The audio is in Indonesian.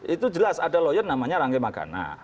itu jelas ada lawyer namanya rangka magana